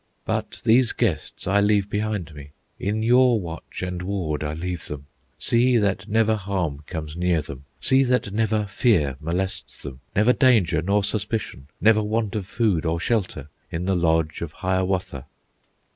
But these guests I leave behind me, In your watch and ward I leave them; See that never harm comes near them, See that never fear molests them, Never danger nor suspicion, Never want of food or shelter, In the lodge of Hiawatha!"